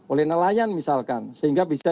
oleh nelayan misalkan sehingga bisa